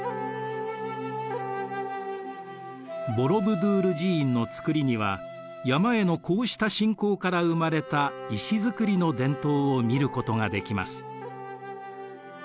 ボロブドゥール寺院の造りには山へのこうした信仰から生まれた石造りの伝統を見ることができます。